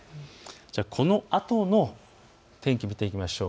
このあとの天気見ていきましょう。